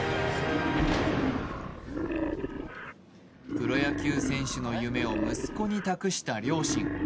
プロ野球選手の夢を息子に託した両親。